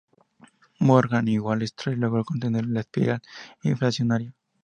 Morgan y Wall Street logró contener la espiral inflacionaria.